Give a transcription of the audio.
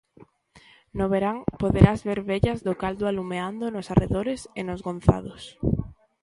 No verán, poderás ver vellas do caldo alumeando nos arredores e nos gonzados